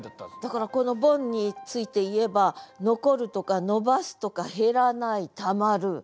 だからこのボンについて言えば「残る」とか「延ばす」とか「減らない」「たまる」。